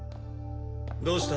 どうした？